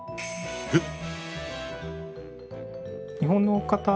えっ？